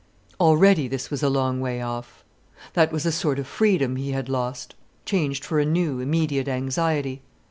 Already this was a long way off. That was a sort of freedom he had lost, changed for a new, immediate anxiety.